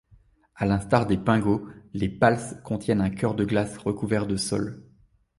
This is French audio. À l'instar des pingos, les palses contiennent un cœur de glace recouvert de sol.